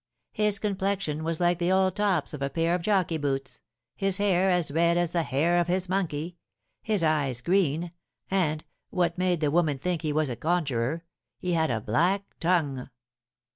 His complexion was like the old tops of a pair of jockey boots, his hair as red as the hair of his monkey, his eyes green, and (what made the women think he was a conjuror) he had a black tongue."